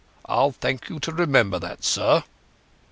I'll thank you to remember that, sir."